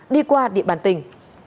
đi qua địa bàn tỉnh